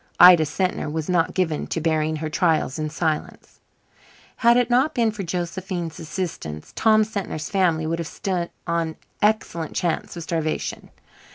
Ida Sentner was not given to bearing her trials in silence. Had it not been for Josephine's assistance, Tom Sentner's family would have stood an excellent chance of starvation.